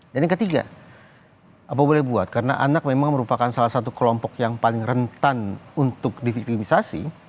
dan yang ketiga apa boleh dibuat karena anak memang merupakan salah satu kelompok yang paling rentan untuk difikilisasi